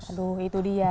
aduh itu dia